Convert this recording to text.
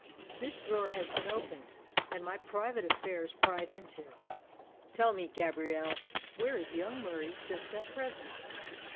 This drawer has been opened, and my private affairs pried into. Tell me, Gabrielle, where is young Murie just at present?"